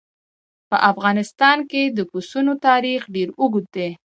په افغانستان کې د پسونو تاریخ ډېر اوږد دی.